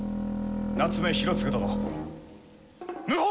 夏目広次殿謀反！